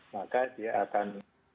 maka dia akan